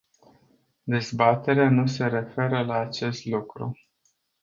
Dezbaterea nu se referă la acest lucru.